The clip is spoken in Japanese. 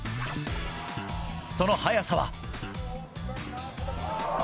その速さは。